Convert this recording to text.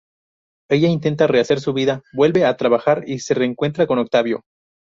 Ella intenta rehacer su vida, vuelve a trabajar y se reencuentra con Octavio.